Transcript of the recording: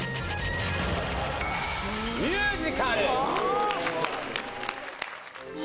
「ミュージカル」。